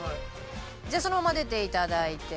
じゃあそのまま出て頂いて。